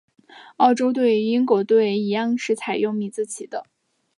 澳洲队与英国队一样是采用米字旗的。